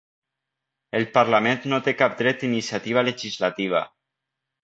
El Parlament no té cap dret d'iniciativa legislativa.